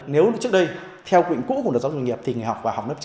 nếu trước đây theo quy định cũ của giáo dục nghiệp thì người học vào học lớp chín